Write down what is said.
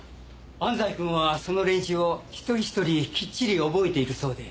安斎くんはその連中を一人ひとりきっちり覚えているそうで。